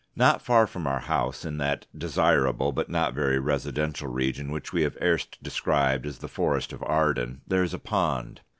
Not far from our house, in that desirable but not very residential region which we have erst described as the Forest of Arden, there is a pond.